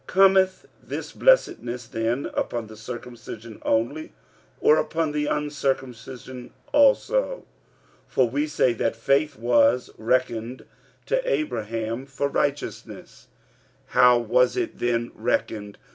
45:004:009 Cometh this blessedness then upon the circumcision only, or upon the uncircumcision also? for we say that faith was reckoned to Abraham for righteousness. 45:004:010 How was it then reckoned?